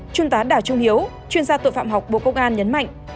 trung tá đào trung hiếu chuyên gia tội phạm học bộ công an nhấn mạnh